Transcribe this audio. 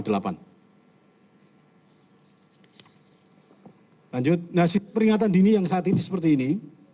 lanjut nasib peringatan dini yang saat ini seperti ini